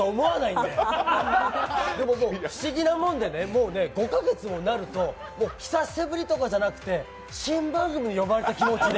でも、不思議なもので５ヶ月もなると久しぶりとかじゃなくて新番組に呼ばれた気持ちで。